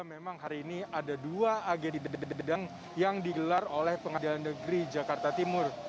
memang hari ini ada dua agedeng yang digelar oleh pengadilan negeri jakarta timur